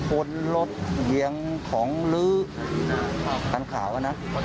คนรถเลี้ยงของลื้อกันขาวนะ